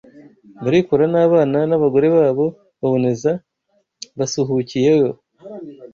Barikora n’abana n’abagore babo baboneza basuhukiyeyo